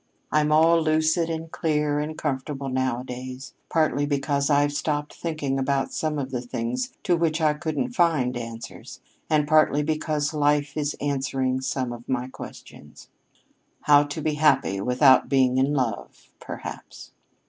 I'm all lucid and clear and comfortable nowadays partly because I've stopped thinking about some of the things to which I couldn't find answers, and partly because Life is answering some of my questions." "How to be happy without being in love, perhaps."